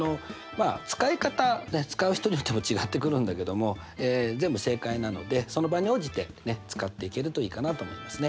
使い方使う人によっても違ってくるんだけども全部正解なのでその場に応じて使っていけるといいかなと思いますね。